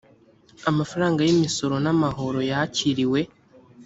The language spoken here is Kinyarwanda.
amafaranga y imisoro n amahoro yakiriwe